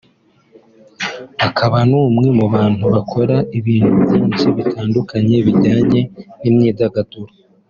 akaba n’umwe mu bantu bakora ibintu byinshi bitandukanye bijyanye n’imyidagaduro